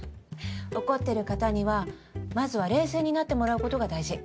怒ってる方にはまずは冷静になってもらうことが大事。